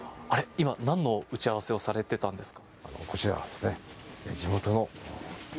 今、なんの打ち合わせをされてたんですか。